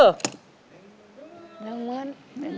หนึ่งหมื่น